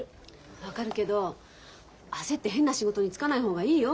分かるけど焦って変な仕事に就かない方がいいよ。